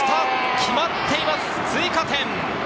決まっています、追加点！